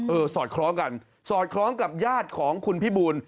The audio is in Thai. สอดคล้องกันสอดคล้องกับญาติของคุณพี่บูล